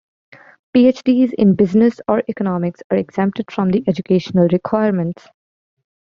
PhDs in business or economics are exempted from the educational requirements.